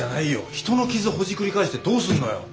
人の傷ほじくり返してどうすんのよ。